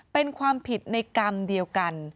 เป็นความผิดในกรรมเดียวกัน